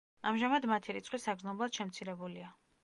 ამჟამად მათი რიცხვი საგრძნობლად შემცირებულია.